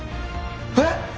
えっ！？